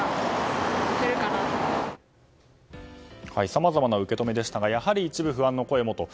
さまざまな受け止めでしたがやはり一部、不安の声もと。